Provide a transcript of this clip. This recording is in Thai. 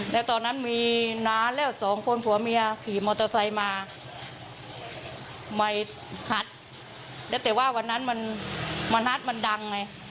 แล้วตอนนั้นมีน้าแล้วสองคนผัวเมียขี่มอเตอร์ไซค์มาใหม่หัดแล้วแต่ว่าวันนั้นมันมณัฐมันดังไง